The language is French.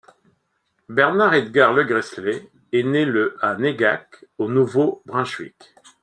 Bernard Edgar Legresley est né le à Néguac, au Nouveau-Brunswick.